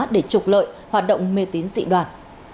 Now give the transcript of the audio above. để trục lợi hoạt động mê tín dị đoàn